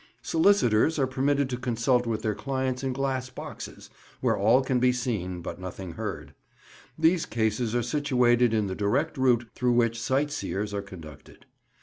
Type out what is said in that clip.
Solicitors are permitted to consult with their clients in glass boxes, where all can be seen but nothing heard. These cases are situated in the direct route through which sight seers are conducted.